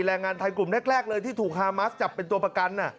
แรงงานไทยกลุ่มแรกเลยที่ถูกฮามัสจับเป็นตัวประกัน